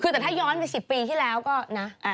คือแต่ถ้าย้อนไป๑๐ปีที่แล้วก็นะ